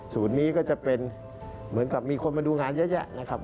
นี้ก็จะเป็นเหมือนกับมีคนมาดูงานเยอะแยะนะครับ